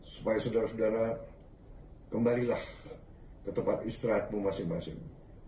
supaya saudara saudara kembalilah ke tempat istirahatmu masing masing